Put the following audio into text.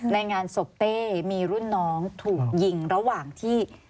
ในงานศพเต้มีรุ่นน้องถูกยิงระหว่างที่